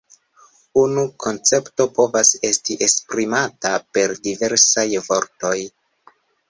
Unu koncepto povas esti esprimata per diversaj vortoj.